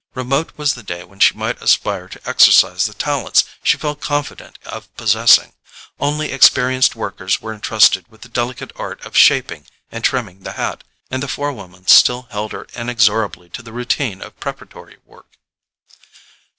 Remote was the day when she might aspire to exercise the talents she felt confident of possessing; only experienced workers were entrusted with the delicate art of shaping and trimming the hat, and the forewoman still held her inexorably to the routine of preparatory work.